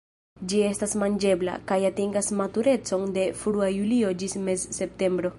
Ĝi estas manĝebla, kaj atingas maturecon de frua julio ĝis mez-septembro.